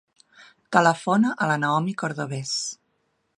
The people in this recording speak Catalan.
Telefona a la Naomi Cordobes.